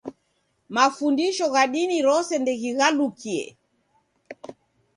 Mafundisho gha dini rose ndeghighalukie.